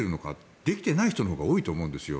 できていない人のほうが多いと思うんですよ。